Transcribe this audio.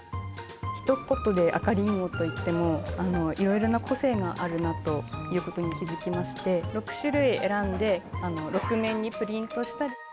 ひと言で赤りんごといっても、いろいろな個性があるなということに気付きまして、６種類選んで、６面にプリントした。